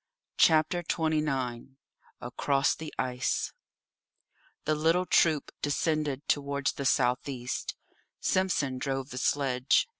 CHAPTER XXIX ACROSS THE ICE The little troop descended towards the south east. Simpson drove the sledge.